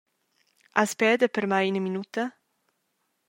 Has peda per mei ina minuta?